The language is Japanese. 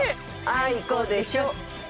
あいこでしょっ。